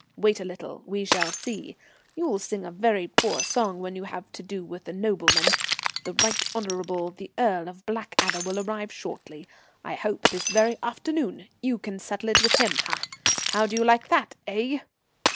Wait a little, we shall see. You'll sing a very poor song when you have to do with a nobleman. The Right Honourable the Earl of Blackadder will arrive shortly. I hope this very afternoon. You can settle it with him, ah! How do you like that, eh?"